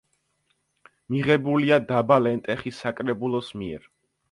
მიღებულია დაბა ლენტეხის საკრებულოს მიერ.